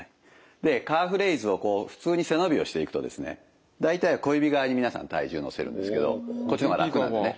でカーフレイズをこう普通に背伸びをしていくとですね大体は小指側に皆さん体重を乗せるんですけどこっちの方が楽なんでね。